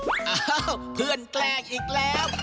อ้าวเพื่อนแกล้งอีกแล้ว